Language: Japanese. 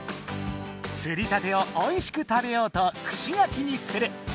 つりたてをおいしく食べようとくし焼きにする。